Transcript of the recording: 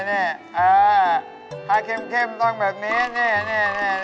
นี่ถ้าเข้มต้องแบบนี้นี่